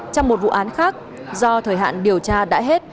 trong một vụ án khác do thời hạn điều tra đã hết